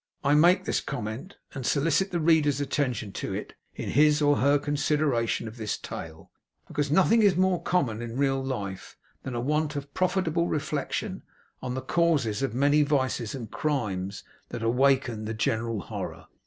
I make this comment, and solicit the reader's attention to it in his or her consideration of this tale, because nothing is more common in real life than a want of profitable reflection on the causes of many vices and crimes that awaken the general horror.